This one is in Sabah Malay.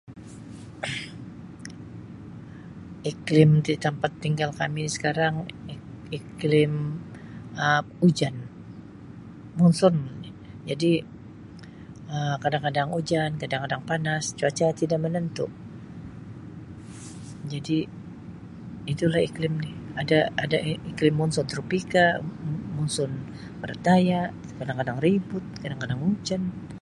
Iklim di tempat tinggal kami sekarang ik-ik iklim Um hujan, monsun [unintelligible] jadi Um kadang-kadang hujan, kadang-kadang panas, cuaca tidak menentu jadi itulah iklim dia, ada-ada i-iklim monsun tropika, mo-monsun barat daya, kadang-kadang ribut, kadang-kadang hujan.